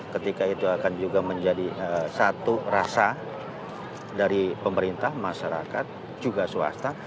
ketika itu akan juga menjadi satu rasa dari pemerintah masyarakat juga swasta